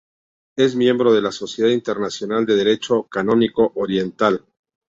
Es miembro de la Sociedad Internacional de Derecho Canónico Oriental.